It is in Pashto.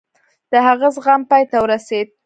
د هغه زغم پای ته ورسېد.